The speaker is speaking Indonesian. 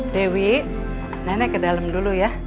dewi nenek ke dalam dulu ya